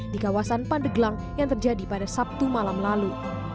di kawasan pandeglang yang terjadi pada sabtu malam lalu